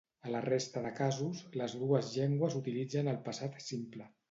A la resta de casos, les dues llengües utilitzen un passat simple.